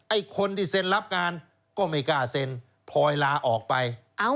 ไอ้คนที่เซ็นรับงานก็ไม่กล้าเซ็นพลอยลาออกไป